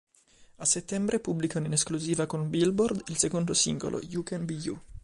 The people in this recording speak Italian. A settembre pubblicano in esclusiva con Billboard il secondo singolo "You can be you".